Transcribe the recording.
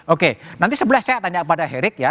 oke nanti sebelah saya tanya pada herik ya